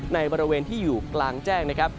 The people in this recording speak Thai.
ในบริเวณที่อยู่กลางแจ้งนะครับ